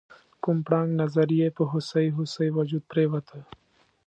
کوم پړانګ نظر یې په هوسۍ هوسۍ وجود پریوته؟